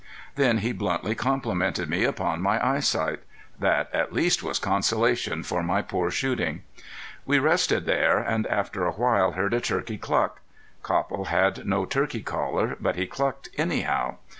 Then he bluntly complimented me upon my eyesight. That at least was consolation for my poor shooting. We rested there, and after a while heard a turkey cluck. Copple had no turkey caller, but he clucked anyhow.